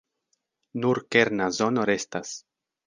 Nur kerna zono restas.